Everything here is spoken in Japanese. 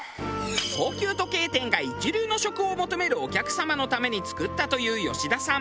高級時計店が一流の食を求めるお客様のために作ったというよし田さん。